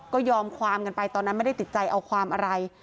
ก็ยอมความกันไปตอนนั้นไม่ได้ติดใจเอาความอะไร